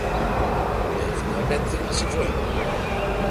E, finalmente, así foi.